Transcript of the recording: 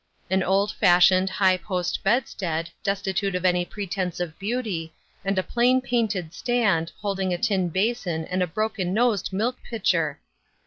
An old fasli Trying Questions, 329 loDed, high post bedstead, destitute of any pre tense of beauty, and a plain painted stand, hold ing a tin basin and a broken nosed mik pitcher!